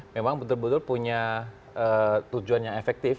memang betul betul punya tujuan yang efektif